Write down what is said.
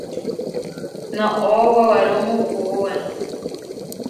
Noʼó wewerúmu kuúe.